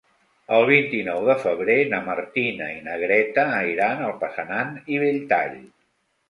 El vint-i-nou de febrer na Martina i na Greta iran a Passanant i Belltall.